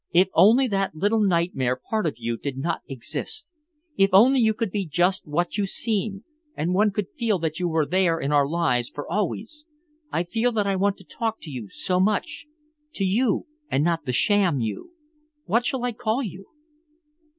"If only that little nightmare part of you did not exist. If only you could be just what you seem, and one could feel that you were there in our lives for always! I feel that I want to talk to you so much, to you and not the sham you. What shall I call you?"